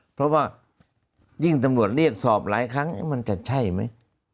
เพราะว่ายิ่งตำรวจเรียกสอบหลายครั้งมันจะใช่ไหม